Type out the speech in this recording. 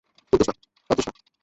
তার দোষ না!